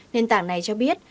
nền tảng này cho biết